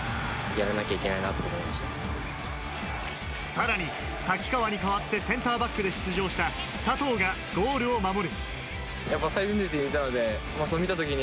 さらに瀧川に代わってセンターバックで出場した佐藤がゴールを守る。